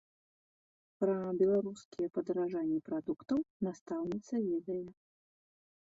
Пра беларускія падаражанні прадуктаў настаўніца ведае.